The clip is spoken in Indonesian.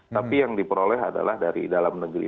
tapi yang diperoleh adalah dari dalam negeri